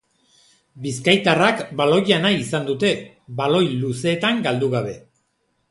Bizkaitarrak baloia nahi izan dute, baloi luzeetan galdu gabe.